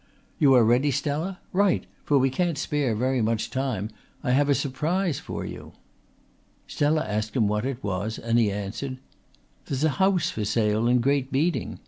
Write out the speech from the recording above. "You are ready, Stella? Right! For we can't spare very much time. I have a surprise for you." Stella asked him what it was and he answered: "There's a house for sale in Great Beeding.